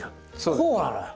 こうなのよ。